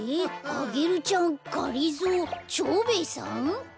アゲルちゃんがりぞー蝶兵衛さん？